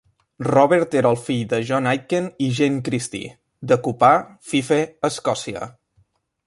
Robert era el fill de John Aitken i Jane Christie, de Cupar, Fife, Escòcia.